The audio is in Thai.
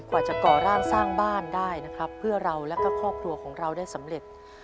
กว่าจะก่อร่างสร้างบ้านได้นะครับเพื่อเราแล้วก็ครอบครัวของเราได้สำเร็จ